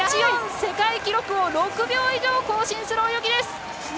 世界記録を６秒以上更新する泳ぎダダオン。